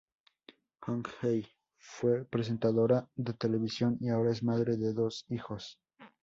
Hong Hye Jung fue presentadora de televisión y ahora es madre de dos hijos.